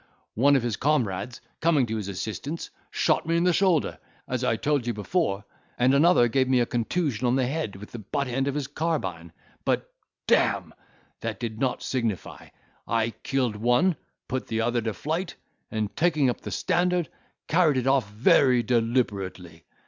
One of his comrades, coming to his assistance, shot me in the shoulder, as I told you before; and another gave me a contusion on the head with the butt end of his carbine; but, d—me, that did not signify. I killed one, put the other to flight, and taking up the standard, carried it off very deliberately.